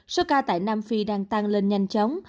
số ca tại nam phi đang tăng lên nhanh chóng